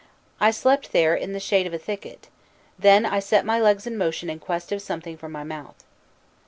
I slept there in the shade of a thicket; then I set my legs in motion in quest of something for my mouth."